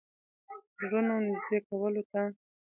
زړونو نېږدې کولو ته.